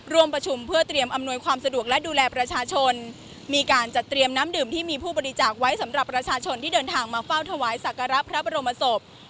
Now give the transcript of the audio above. ร่วมประชุมเพื่อเตรียมอำนวยความสะดวกและดูแลประชาชนมีการจัดเตรียมน้ำดื่มที่มีผู้บริจาคไว้สำหรับประชาชนที่เดินทางมาเฝ้าถวายสักการะพระบรมศพ